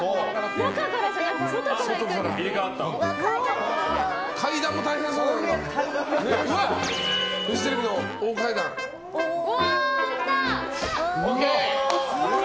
中からじゃなくて外から行くんですね。